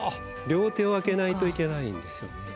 両手を空けないといけないんですよね。